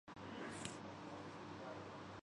یہ ڈبے یا بوتل کو ٹھنڈا کردیتی ہے۔